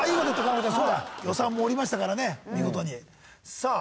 さあ！